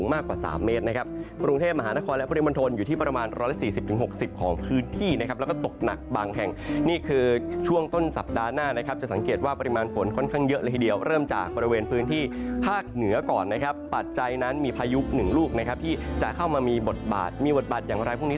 มากกว่า๓เมตรนะครับกรุงเทพมหานครและปริมณฑลอยู่ที่ประมาณ๑๔๐๖๐ของพื้นที่นะครับแล้วก็ตกหนักบางแห่งนี่คือช่วงต้นสัปดาห์หน้านะครับจะสังเกตว่าปริมาณฝนค่อนข้างเยอะเลยทีเดียวเริ่มจากบริเวณพื้นที่ภาคเหนือก่อนนะครับปัจจัยนั้นมีพายุหนึ่งลูกนะครับที่จะเข้ามามีบทบาทมีบทบาทอย่างไรพวกนี้